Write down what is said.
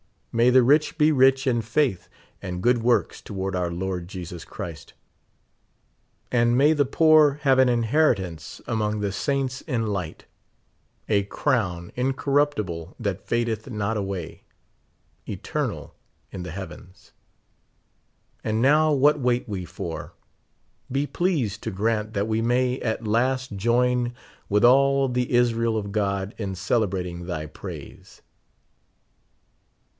Maj^ the rich be rich in faith and good works toward our Lord Jesus Christ, and may the poor have an inheritance among the saints in light, a crown incorruptible that fadeth not away, eternal in the heav ens. And now what wait we for? Be pleased to grant that we may at last join with all the Israel of God in celebrating thy praise.